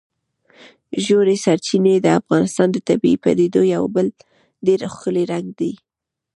ژورې سرچینې د افغانستان د طبیعي پدیدو یو بل ډېر ښکلی رنګ دی.